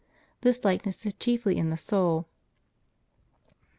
This likeness is chiefly in the soul.